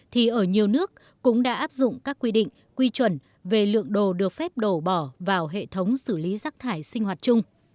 thì ở nhiều nước cũng đã áp dụng các quy định quy chuẩn về lượng đồ được phép đổ bỏ vào hệ thống xử lý rác thải sinh hoạt chung